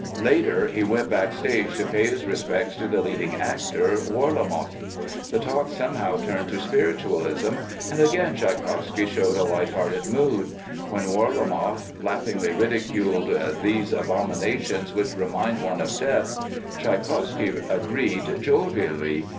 Later he went backstage to pay his respects to the leading actor, Warlamoff. The talk somehow turned to spiritualism, and again Tschaikowsky showed a lighthearted mood. When Warlamoff laughingly ridiculed "these abominations which remind one of death," Tschaikowsky agreed jovially.